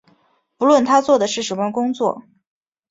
不论他做的是什么工作